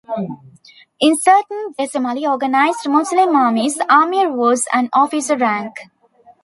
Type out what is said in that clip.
In certain decimally-organized Muslim armies, Amir was an officer rank.